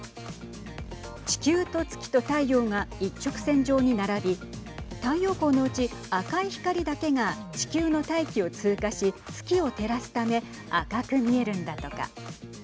地球と月と太陽が一直線上に並び太陽光のうち赤い光だけが地球の大気を通過し月を照らすため赤く見えるんだとか。